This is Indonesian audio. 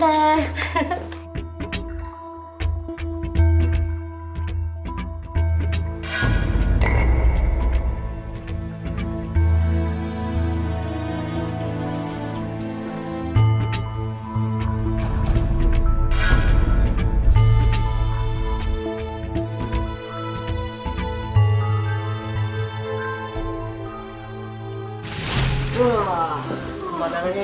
terima kasih bu